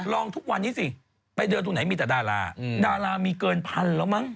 ทุกวันนี้สิไปเดินตรงไหนมีแต่ดาราดารามีเกินพันแล้วมั้ง